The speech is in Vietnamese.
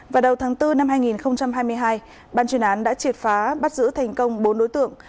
vào đầu tháng bốn năm hai nghìn hai mươi hai ban chuyên án đã triệt phá bắt giữ thành công bốn đối tượng